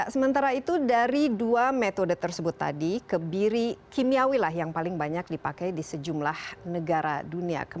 sementara itu dari dua metode tersebut tadi kebiri kimiawi lah yang paling banyak dipakai di sejumlah negara dunia